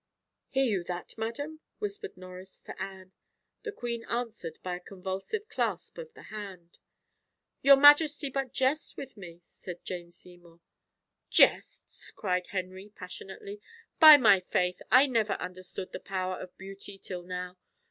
"Hear you that, madam?" whispered Norris to Anne. The queen answered by a convulsive clasp of the hand. "Your majesty but jests with me," said Jane Seymour. "Jests!" cried Henry passionately. "By my faith! I never understood the power of beauty till now.